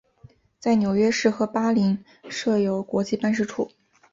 在纽约市和巴林设有国际办事处。